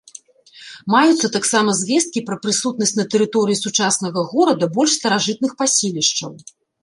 Маюцца таксама звесткі пра прысутнасць на тэрыторыі сучаснага горада больш старажытных паселішчаў.